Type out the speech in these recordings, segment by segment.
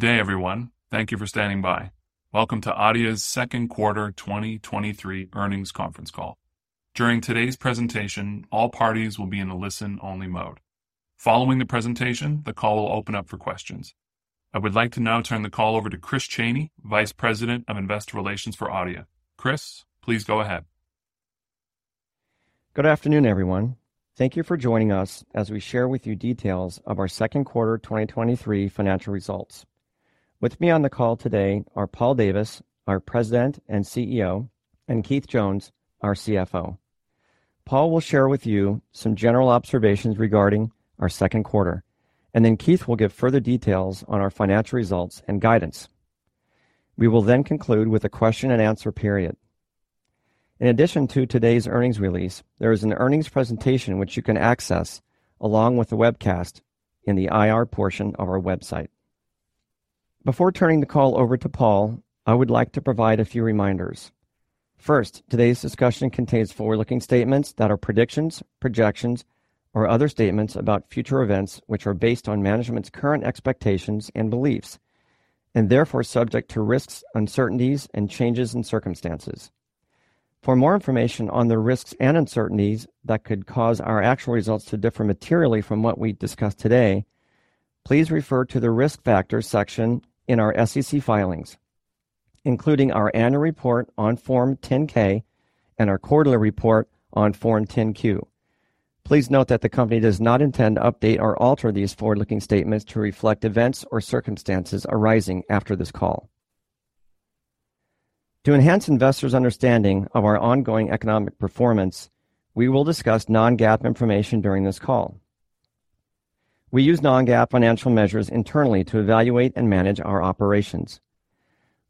Good day, everyone. Thank you for standing by. Welcome to Adeia's second quarter 2023 earnings conference call. During today's presentation, all parties will be in a listen-only mode. Following the presentation, the call will open up for questions. I would like to now turn the call over to Chris Chaney, Vice President of Investor Relations for Adeia. Chris, please go ahead. Good afternoon, everyone. Thank you for joining us as we share with you details of our second quarter 2023 financial results. With me on the call today are Paul Davis, our President and CEO, and Keith Jones, our CFO. Paul will share with you some general observations regarding our second quarter. Then Keith will give further details on our financial results and guidance. We will conclude with a question and answer period. In addition to today's earnings release, there is an earnings presentation which you can access, along with the webcast, in the IR portion of our website. Before turning the call over to Paul, I would like to provide a few reminders. First, today's discussion contains forward-looking statements that are predictions, projections, or other statements about future events, which are based on management's current expectations and beliefs, and therefore subject to risks, uncertainties, and changes in circumstances. For more information on the risks and uncertainties that could cause our actual results to differ materially from what we discuss today, please refer to the Risk Factors section in our SEC filings, including our annual report on Form 10-K and our quarterly report on Form 10-Q. Please note that the company does not intend to update or alter these forward-looking statements to reflect events or circumstances arising after this call. To enhance investors' understanding of our ongoing economic performance, we will discuss non-GAAP information during this call. We use non-GAAP financial measures internally to evaluate and manage our operations.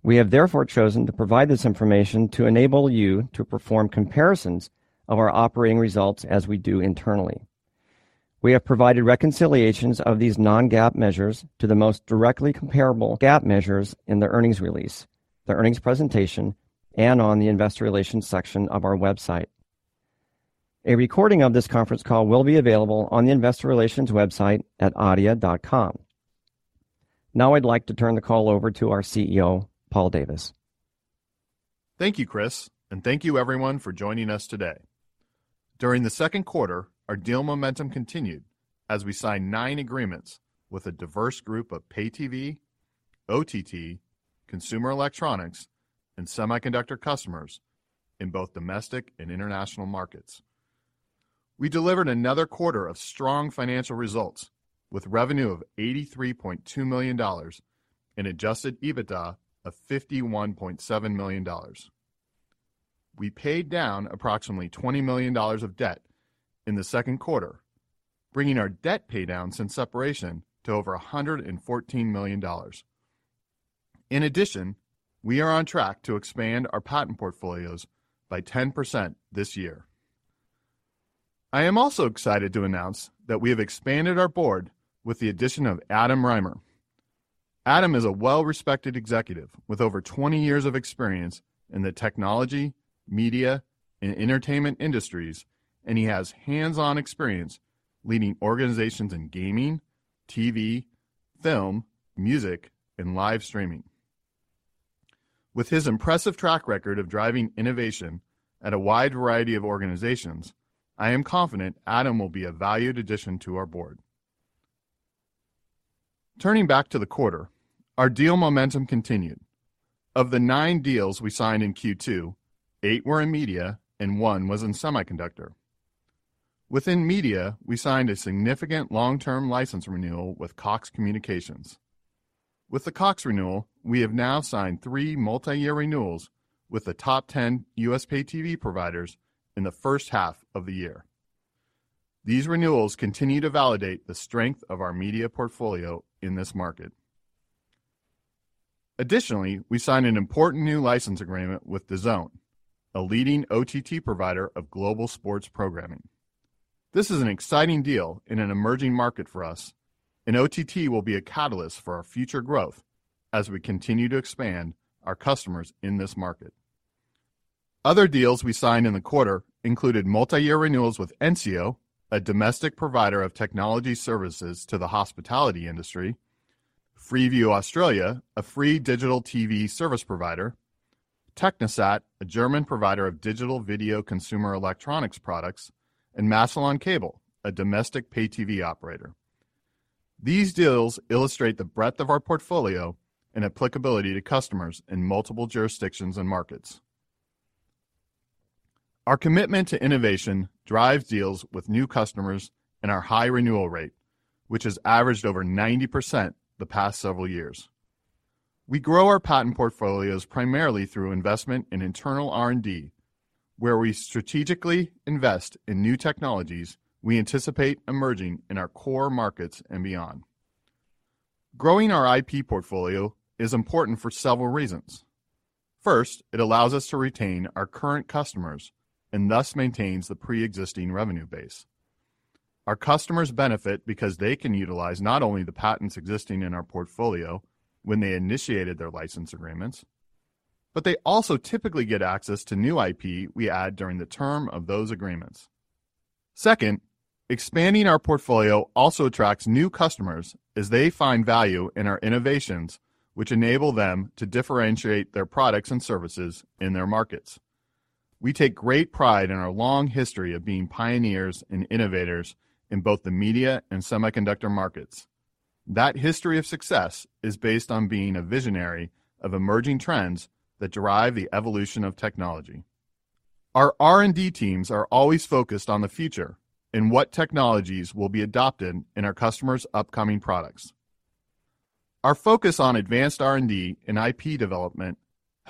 We have therefore chosen to provide this information to enable you to perform comparisons of our operating results as we do internally. We have provided reconciliations of these non-GAAP measures to the most directly comparable GAAP measures in the earnings release, the earnings presentation, and on the investor relations section of our website. A recording of this conference call will be available on the investor relations website at adeia.com. Now, I'd like to turn the call over to our CEO, Paul Davis. Thank you, Chris Chaney, and thank you everyone for joining us today. During the second quarter, our deal momentum continued as we signed 9 agreements with a diverse group of pay TV, OTT, consumer electronics, and semiconductor customers in both domestic and international markets. We delivered another quarter of strong financial results, with revenue of $83.2 million and adjusted EBITDA of $51.7 million. We paid down approximately $20 million of debt in the second quarter, bringing our debt paydown since separation to over $114 million. In addition, we are on track to expand our patent portfolios by 10% this year. I am also excited to announce that we have expanded our Board with the addition of Adam Rymer. Adam is a well-respected executive with over 20 years of experience in the technology, media, and entertainment industries, and he has hands-on experience leading organizations in gaming, TV, film, music, and live streaming. With his impressive track record of driving innovation at a wide variety of organizations, I am confident Adam will be a valued addition to our board. Turning back to the quarter, our deal momentum continued. Of the nine deals we signed in Q2, eight were in media and one was in semiconductor. Within media, we signed a significant long-term license renewal with Cox Communications. With the Cox renewal, we have now signed three multi-year renewals with the top 10 US pay TV providers in the first half of the year. These renewals continue to validate the strength of our media portfolio in this market. Additionally, we signed an important new license agreement with DAZN, a leading OTT provider of global sports programming. This is an exciting deal in an emerging market for us, and OTT will be a catalyst for our future growth as we continue to expand our customers in this market. Other deals we signed in the quarter included multi-year renewals with Enseo, a domestic provider of technology services to the hospitality industry, Freeview Australia, a free digital TV service provider, TechniSat, a German provider of digital video consumer electronics products, and Massillon Cable, a domestic pay TV operator. These deals illustrate the breadth of our portfolio and applicability to customers in multiple jurisdictions and markets. Our commitment to innovation drives deals with new customers and our high renewal rate, which has averaged over 90% the past several years. We grow our patent portfolios primarily through investment in internal R&D, where we strategically invest in new technologies we anticipate emerging in our core markets and beyond. Growing our IP portfolio is important for several reasons. First, it allows us to retain our current customers and thus maintains the pre-existing revenue base. Our customers benefit because they can utilize not only the patents existing in our portfolio when they initiated their license agreements, but they also typically get access to new IP we add during the term of those agreements. Second, expanding our portfolio also attracts new customers as they find value in our innovations, which enable them to differentiate their products and services in their markets. We take great pride in our long history of being pioneers and innovators in both the media and semiconductor markets. That history of success is based on being a visionary of emerging trends that drive the evolution of technology. Our R&D teams are always focused on the future and what technologies will be adopted in our customers' upcoming products. Our focus on advanced R&D and IP development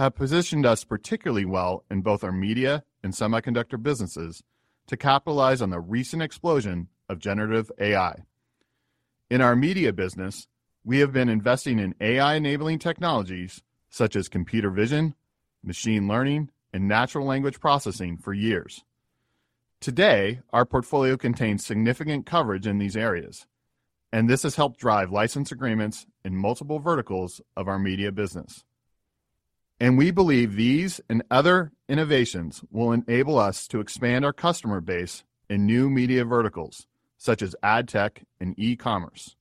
have positioned us particularly well in both our media and semiconductor businesses to capitalize on the recent explosion of generative AI. In our media business, we have been investing in AI-enabling technologies such as computer vision, machine learning, and natural language processing for years. Today, our portfolio contains significant coverage in these areas, and this has helped drive license agreements in multiple verticals of our media business. We believe these and other innovations will enable us to expand our customer base in new media verticals such as ad tech and e-commerce.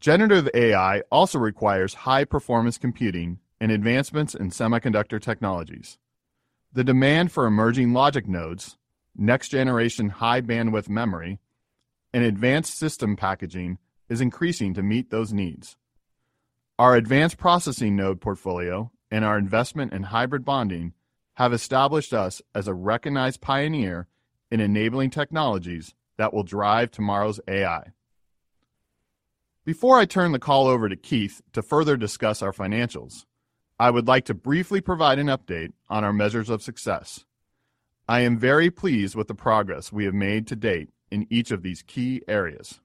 Generative AI also requires high-performance computing and advancements in semiconductor technologies. The demand for emerging logic nodes, next-generation High Bandwidth Memory, and advanced system packaging is increasing to meet those needs. Our advanced processing node portfolio and our investment in hybrid bonding have established us as a recognized pioneer in enabling technologies that will drive tomorrow's AI. Before I turn the call over to Keith to further discuss our financials, I would like to briefly provide an update on our measures of success. I am very pleased with the progress we have made to date in each of these key areas.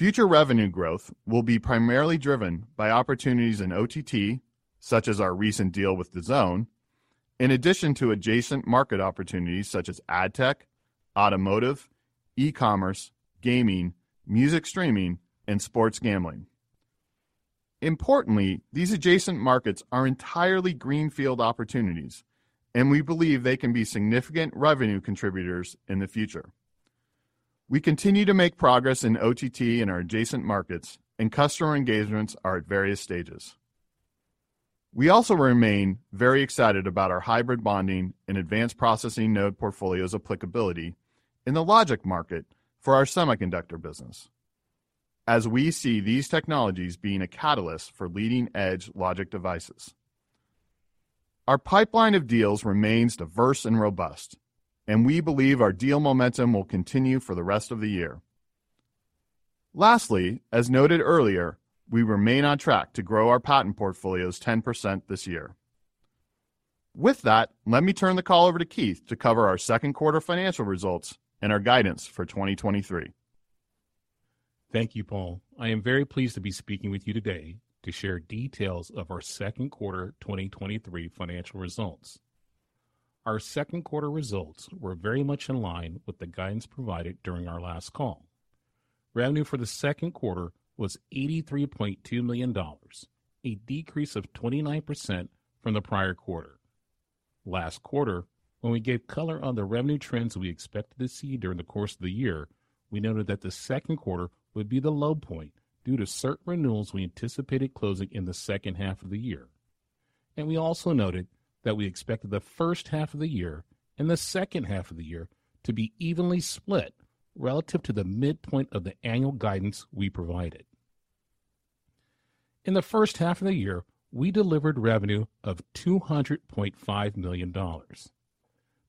Future revenue growth will be primarily driven by opportunities in OTT, such as our recent deal with DAZN, in addition to adjacent market opportunities such as ad tech, automotive, e-commerce, gaming, music streaming, and sports gambling. Importantly, these adjacent markets are entirely greenfield opportunities, and we believe they can be significant revenue contributors in the future. We continue to make progress in OTT and our adjacent markets, and customer engagements are at various stages. We also remain very excited about our hybrid bonding and advanced processing node portfolio's applicability in the logic market for our semiconductor business, as we see these technologies being a catalyst for leading-edge logic devices. Our pipeline of deals remains diverse and robust, and we believe our deal momentum will continue for the rest of the year. Lastly, as noted earlier, we remain on track to grow our patent portfolios 10% this year. With that, let me turn the call over to Keith to cover our second quarter financial results and our guidance for 2023. Thank you, Paul. I am very pleased to be speaking with you today to share details of our second quarter 2023 financial results. Our second quarter results were very much in line with the guidance provided during our last call. Revenue for the second quarter was $83.2 million, a decrease of 29% from the prior quarter. Last quarter, when we gave color on the revenue trends we expected to see during the course of the year, we noted that the second quarter would be the low point due to certain renewals we anticipated closing in the second half of the year. We also noted that we expected the first half of the year and the second half of the year to be evenly split relative to the midpoint of the annual guidance we provided. In the first half of the year, we delivered revenue of $200.5 million.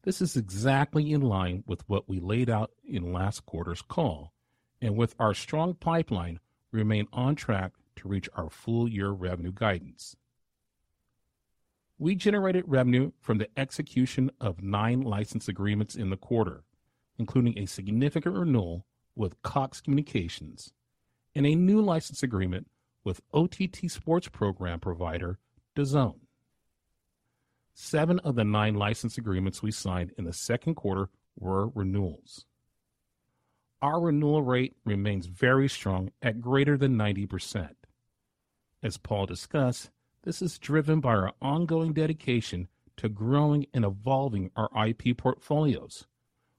This is exactly in line with what we laid out in last quarter's call, and with our strong pipeline, we remain on track to reach our full-year revenue guidance. We generated revenue from the execution of 9 license agreements in the quarter, including a significant renewal with Cox Communications and a new license agreement with OTT sports program provider, DAZN 7 of the 9 license agreements we signed in the second quarter were renewals. Our renewal rate remains very strong at greater than 90%. As Paul discussed, this is driven by our ongoing dedication to growing and evolving our IP portfolios,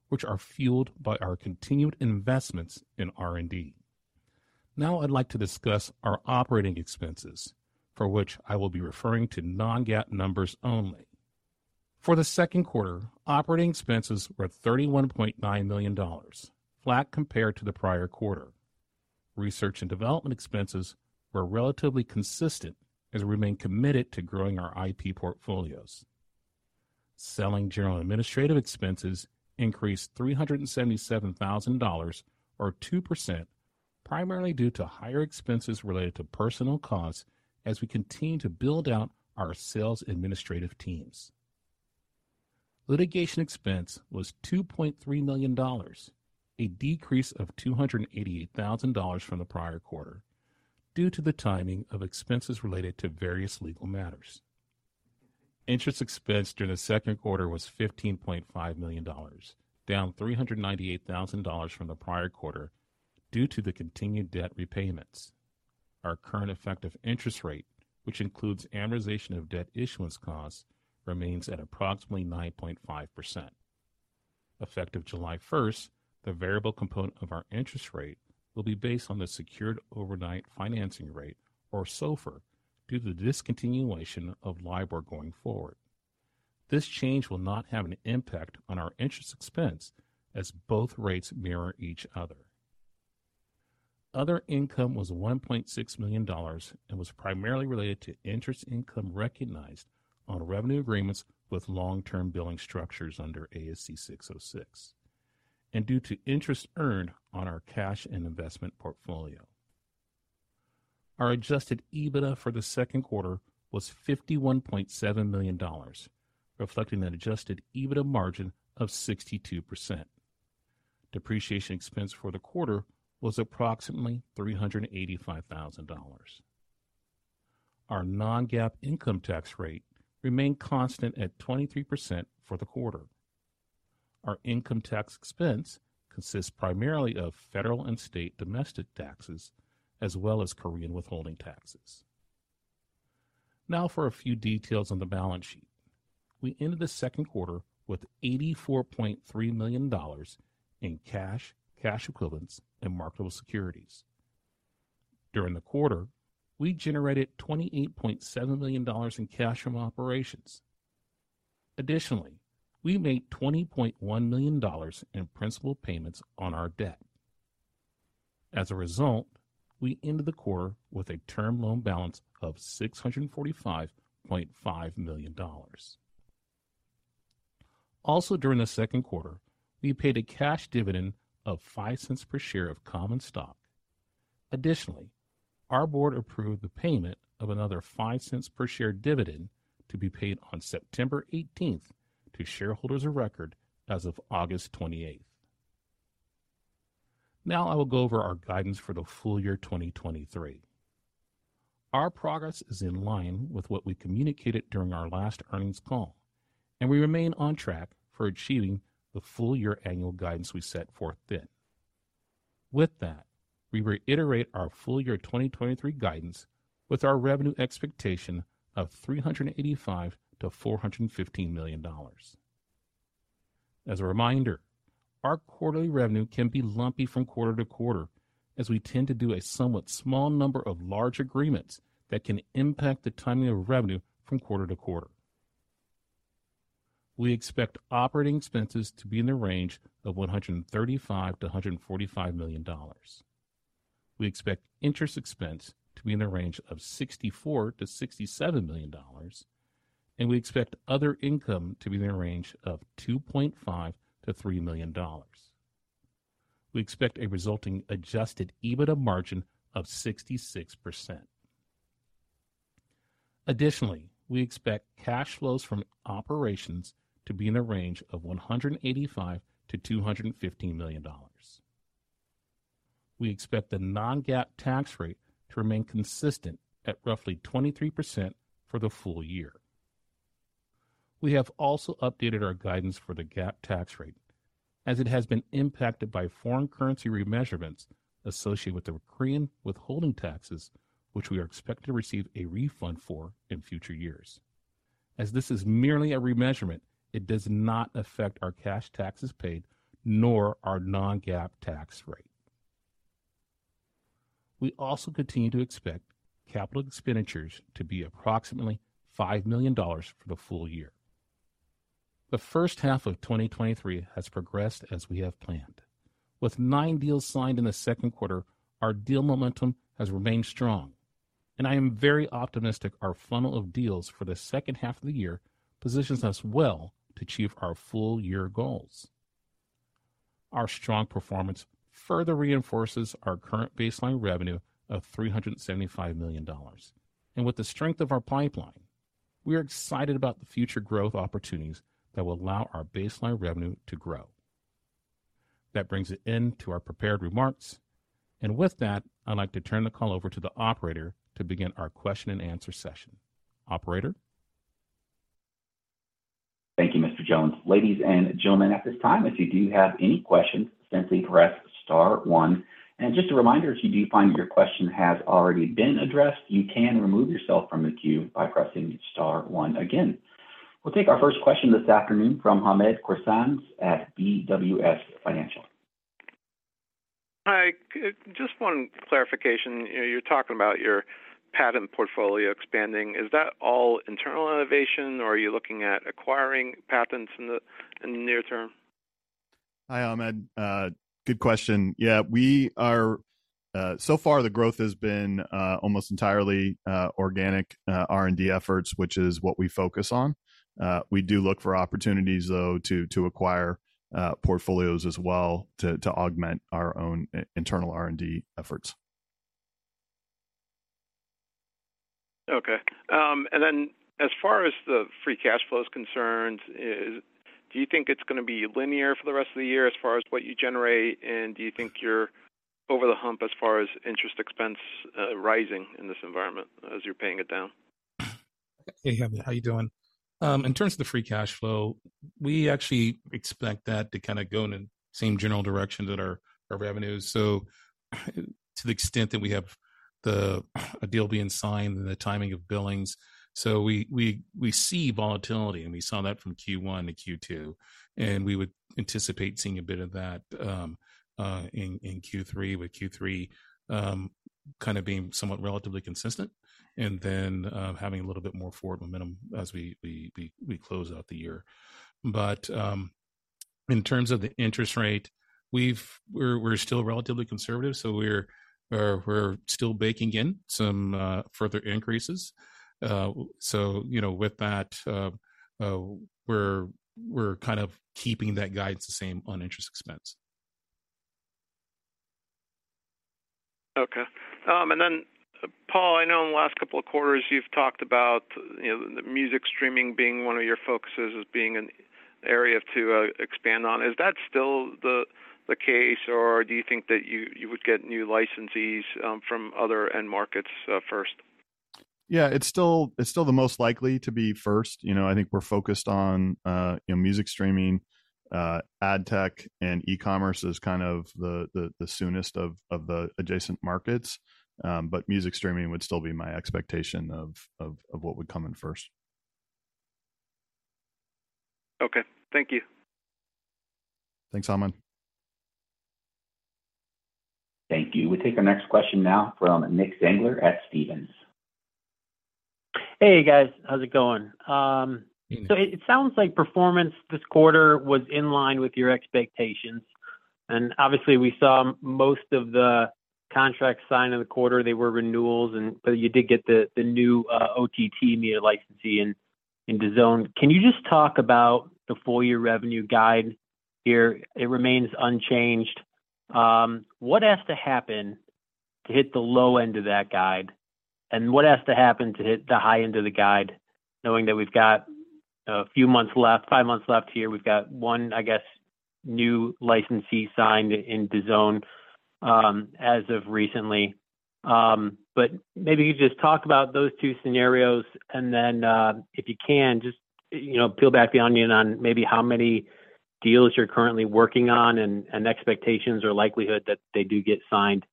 which are fueled by our continued investments in R&D. Now I'd like to discuss our operating expenses, for which I will be referring to non-GAAP numbers only. For the second quarter, operating expenses were $31.9 million, flat compared to the prior quarter. Research and development expenses were relatively consistent as we remain committed to growing our IP portfolios. Selling, general, and administrative expenses increased $377,000 or 2%, primarily due to higher expenses related to personal costs as we continue to build out our sales administrative teams. Litigation expense was $2.3 million, a decrease of $288,000 from the prior quarter due to the timing of expenses related to various legal matters. Interest expense during the second quarter was $15.5 million, down $398,000 from the prior quarter due to the continued debt repayments. Our current effective interest rate, which includes amortization of debt issuance costs, remains at approximately 9.5%. Effective 1st July, the variable component of our interest rate will be based on the secured overnight financing rate, or SOFR, due to the discontinuation of LIBOR going forward. This change will not have an impact on our interest expense, as both rates mirror each other. Other income was $1.6 million and was primarily related to interest income recognized on revenue agreements with long-term billing structures under ASC 606, and due to interest earned on our cash and investment portfolio. Our adjusted EBITDA for the second quarter was $51.7 million, reflecting an adjusted EBITDA margin of 62%. Depreciation expense for the quarter was approximately $385,000. Our non-GAAP income tax rate remained constant at 23% for the quarter. Our income tax expense consists primarily of federal and state domestic taxes, as well as Korean withholding taxes. For a few details on the balance sheet. We ended the second quarter with $84.3 million in cash, cash equivalents, and marketable securities. During the quarter, we generated $28.7 million in cash from operations. Additionally, we made $20.1 million in principal payments on our debt. As a result, we ended the quarter with a term loan balance of $645.5 million. Also, during the second quarter, we paid a cash dividend of $0.05 per share of common stock. Additionally, our board approved the payment of another $0.05 per share dividend to be paid on 18th, September to shareholders of record as of 28th, August. I will go over our guidance for the full-year 2023. Our progress is in line with what we communicated during our last earnings call, and we remain on track for achieving the full-year annual guidance we set forth then. With that, we reiterate our full-year 2023 guidance, with our revenue expectation of $385 million-$415 million. As a reminder, our quarterly revenue can be lumpy from quarter to quarter, as we tend to do a somewhat small number of large agreements that can impact the timing of revenue from quarter to quarter. We expect operating expenses to be in the range of $135 million-$145 million. We expect interest expense to be in the range of $64 million-$67 million, and we expect other income to be in the range of $2.5 million-$3 million. We expect a resulting adjusted EBITDA margin of 66%. Additionally, we expect cash flows from operations to be in the range of $185 million-$215 million. We expect the non-GAAP tax rate to remain consistent at roughly 23% for the full-year. We have also updated our guidance for the GAAP tax rate, as it has been impacted by foreign currency remeasurements associated with the Korean withholding taxes, which we are expected to receive a refund for in future years. As this is merely a remeasurement, it does not affect our cash taxes paid, nor our non-GAAP tax rate. We also continue to expect capital expenditures to be approximately $5 million for the full-year. The first half of 2023 has progressed as we have planned. With nine deals signed in the second quarter, our deal momentum has remained strong, I am very optimistic our funnel of deals for the second half of the year positions us well to achieve our full-year goals. Our strong performance further reinforces our current baseline revenue of $375 million. With the strength of our pipeline, we are excited about the future growth opportunities that will allow our baseline revenue to grow. That brings an end to our prepared remarks, with that, I'd like to turn the call over to the operator to begin our question and answer session. Operator? Thank you, Mr. Jones. Ladies and gentlemen, at this time, if you do have any questions, simply press star one. Just a reminder, if you do find your question has already been addressed, you can remove yourself from the queue by pressing star one again. We'll take our first question this afternoon from Hamed Khorsand at BWS Financial. Hi, just one clarification. You're talking about your patent portfolio expanding. Is that all internal innovation, or are you looking at acquiring patents in the, in the near term? Hi, Hamed. Good question. Yeah, we are, so far, the growth has been almost entirely organic R&D efforts, which is what we focus on. We do look for opportunities, though, to acquire portfolios as well to augment our own internal R&D efforts. Okay. As far as the free cash flow is concerned, do you think it's gonna be linear for the rest of the year as far as what you generate? Do you think you're over the hump as far as interest expense, rising in this environment as you're paying it down? Hey, how, how you doing? In terms of the free cash flow, we actually expect that to kind of go in the same general direction that our, our revenue is. To the extent that we have the, a deal being signed and the timing of billings. We see volatility, and we saw that from Q1 to Q2, and we would anticipate seeing a bit of that in Q3, with Q3 kind of being somewhat relatively consistent and then having a little bit more forward momentum as we close out the year. In terms of the interest rate, we're still relatively conservative, so we're still baking in some further increases. You know, with that, we're kind of keeping that guide the same on interest expense. Okay. And then, Paul, I know in the last couple of quarters you've talked about, you know, the music streaming being one of your focuses as being an area to expand on. Is that still the case, or do you think that you, you would get new licensees from other end markets first? Yeah, it's still, it's still the most likely to be first. You know, I think we're focused on, you know, music streaming, ad tech, and e-commerce is kind of the, the, the soonest of, of the adjacent markets. Music streaming would still be my expectation of what would come in first. Okay. Thank you. Thanks, Hamed. Thank you. We'll take our next question now from Nick Zangler at Stephens. Hey, guys. How's it going? It, it sounds like performance this quarter was in line with your expectations, and obviously, we saw most of the contracts signed in the quarter, they were renewals, and but you did get the, the new OTT media licensee in, DAZN. Can you just talk about the full-year revenue guide here? It remains unchanged. What has to happen to hit the low end of that guide, and what has to happen to hit the high end of the guide, knowing that we've got a few months left, 5 months left here? We've got one, I guess, new licensee signed in DAZN, as of recently. Maybe you just talk about those two scenarios and then, if you can, just, you know, peel back the onion on maybe how many deals you're currently working on and, and expectations or likelihood that they do get signed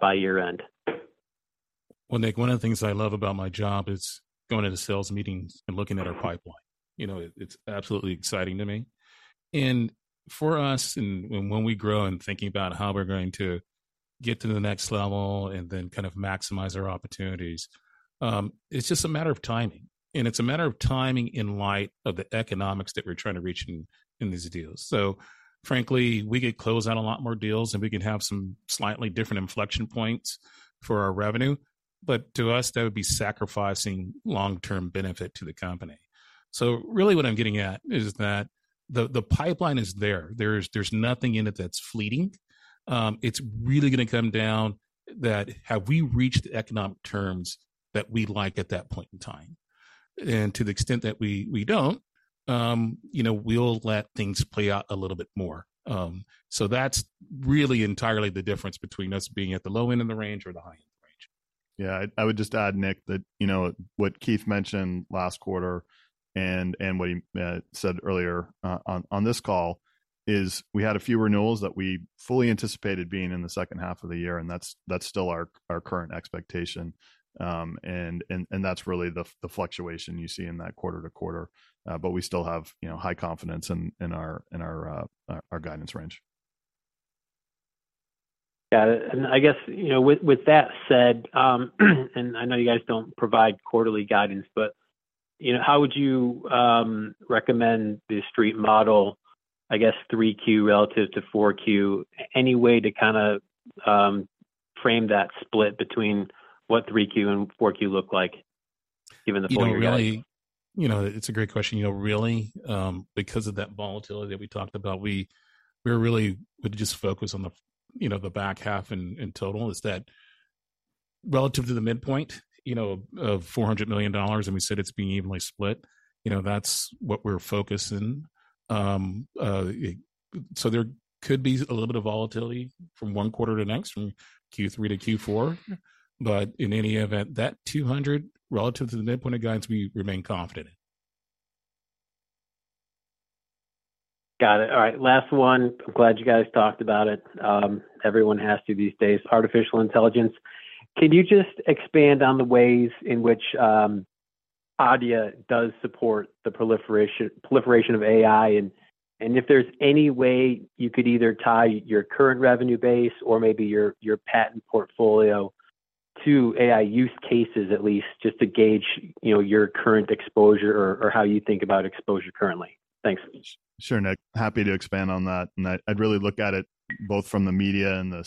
by year-end? Well, Nick, one of the things I love about my job is going into sales meetings and looking at our pipeline. You know, it, it's absolutely exciting to me. For us, and, and when we grow and thinking about how we're going to get to the next level and then kind of maximize our opportunities, it's just a matter of timing, and it's a matter of timing in light of the economics that we're trying to reach in, in these deals. Frankly, we could close out a lot more deals, and we could have some slightly different inflection points for our revenue, but to us, that would be sacrificing long-term benefit to the company. Really, what I'm getting at is that the, the pipeline is there. There's, there's nothing in it that's fleeting. It's really gonna come down that, have we reached the economic terms that we like at that point in time? To the extent that we, we don't, you know, we'll let things play out a little bit more. That's really entirely the difference between us being at the low end of the range or the high end of the range. Yeah. I, I would just add, Nick, that, you know, what Keith mentioned last quarter and what he said earlier on this call, is we had a few renewals that we fully anticipated being in the second half of the year, and that's, that's still our, our current expectation. That's really the fluctuation you see in that quarter to quarter. We still have, you know, high confidence in our, guidance range. Got it. I guess, you know, with, with that said, and I know you guys don't provide quarterly guidance, but, you know, how would you recommend the street model, I guess, 3Q relative to 4Q? Any way to kinda frame that split between what 3Q and 4Q look like given the full-year guide? You know, really, you know, it's a great question. You know, really, because of that volatility that we talked about, we're really would just focus on the, you know, the back half and total is that relative to the midpoint, you know, of $400 million, and we said it's being evenly split, you know, that's what we're focusing. There could be a little bit of volatility from one quarter to the next, from Q3 to Q4, but in any event, that $200 million relative to the midpoint of guidance, we remain confident in. Got it. All right, last one. I'm glad you guys talked about it. Everyone has to these days: artificial intelligence. Can you just expand on the ways in which Adeia does support the proliferation of AI, and, and if there's any way you could either tie your current revenue base or maybe your, your patent portfolio to AI use cases, at least just to gauge, you know, your current exposure or, or how you think about exposure currently? Thanks. Sure, Nick. Happy to expand on that, and I, I'd really look at it both from the media and the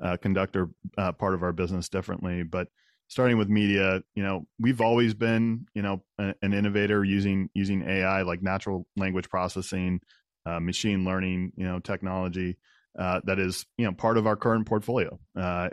semiconductor part of our business differently. Starting with media, you know, we've always been, you know, a, an innovator using, using AI, like natural language processing, machine learning, you know, technology, that is, you know, part of our current portfolio.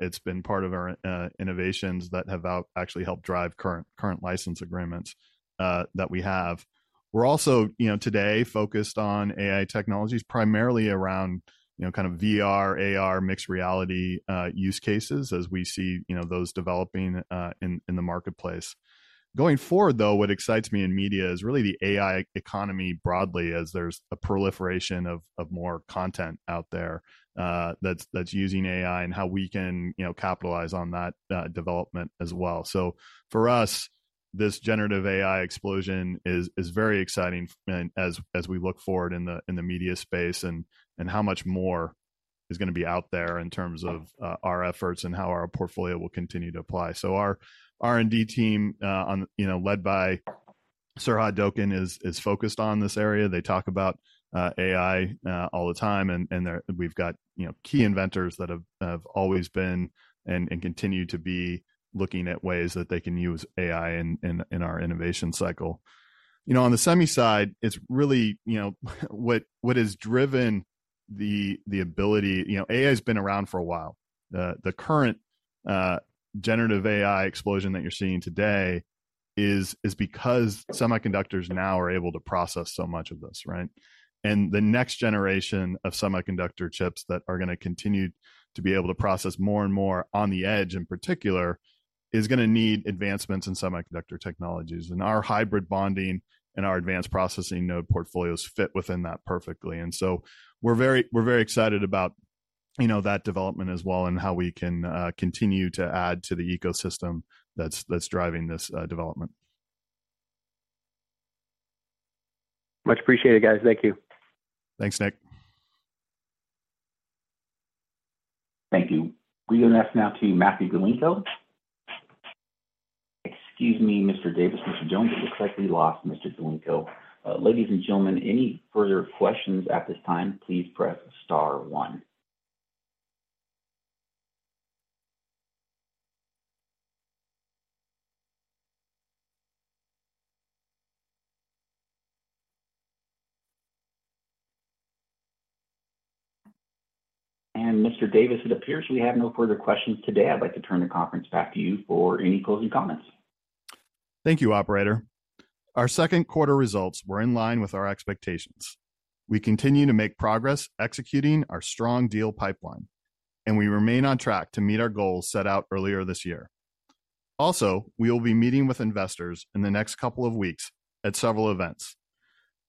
It's been part of our innovations that have actually helped drive current, current license agreements that we have. We're also, you know, today focused on AI technologies, primarily around, you know, kind of VR, AR, mixed reality use cases as we see, you know, those developing in, in the marketplace. Going forward, though, what excites me in media is really the AI economy broadly, as there's a proliferation of, of more content out there, that's, that's using AI and how we can, you know, capitalize on that development as well. For us, this generative AI explosion is, is very exciting, and as, as we look forward in the, in the media space, and, and how much more is gonna be out there in terms of our efforts and how our portfolio will continue to apply. Our R&D team, on, you know, led by Serhad Doken is, is focused on this area. They talk about AI all the time, we've got, you know, key inventors that have, have always been and, and continue to be looking at ways that they can use AI in our innovation cycle. You know, on the semi side, it's really, you know, what, what has driven the ability. You know, AI's been around for a while. The, the current generative AI explosion that you're seeing today is because semiconductors now are able to process so much of this, right? The next generation of semiconductor chips that are going to continue to be able to process more and more on the edge, in particular, is going to need advancements in semiconductor technologies. Our hybrid bonding and our advanced processing node portfolios fit within that perfectly. So we're very, we're very excited about, you know, that development as well, and how we can continue to add to the ecosystem that's driving this development. Much appreciated, guys. Thank you. Thanks, Nick. Thank you. We go next now to Matthew Galinko. Excuse me, Mr. Davis, Mr. Jones, it looks like we lost Mr. Galinko. Ladies and gentlemen, any further questions at this time, please press star one. Mr. Davis, it appears we have no further questions today. I'd like to turn the conference back to you for any closing comments. Thank you, operator. Our second quarter results were in line with our expectations. We continue to make progress executing our strong deal pipeline, and we remain on track to meet our goals set out earlier this year. Also, we will be meeting with investors in the next couple of weeks at several events.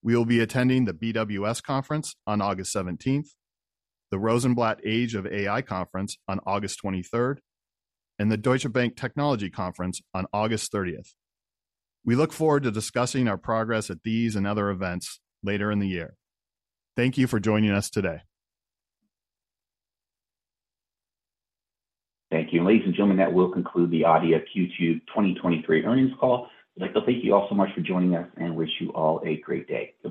We will be attending the BWS Conference on 17th, August the Rosenblatt Age of AI Conference on 23rd, August and the Deutsche Bank Technology Conference on 30th, August. We look forward to discussing our progress at these and other events later in the year. Thank you for joining us today. Thank you. Ladies and gentlemen, that will conclude the Adeia Q2 2023 earnings call. I'd like to thank you all so much for joining us and wish you all a great day. Goodbye.